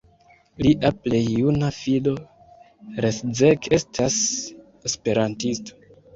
Lia plej juna filo Leszek estas esperantisto.